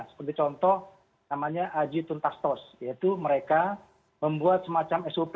sebagai contoh namanya aji tuntastos yaitu mereka membuat semacam sop